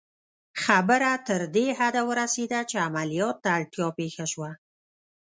خبره تر دې حده ورسېده چې عملیات ته اړتیا پېښه شوه